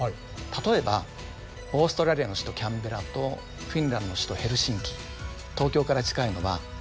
例えばオーストラリアの首都キャンベラとフィンランドの首都ヘルシンキ東京から近いのはどっちですか？